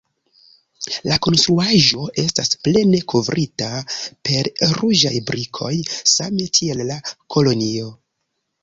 La konstruaĵo estas plene kovrita per ruĝaj brikoj, same tiel la kolonio.